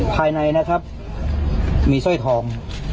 ภายในนะครับมีสร้อยทอง